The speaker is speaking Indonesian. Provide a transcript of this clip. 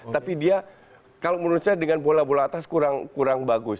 tapi dia kalau menurut saya dengan bola bola atas kurang bagus